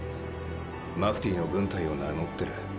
マフティーの軍隊を名乗ってる。